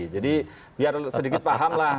jadi biar sedikit paham lah